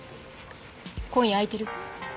今夜あいてる？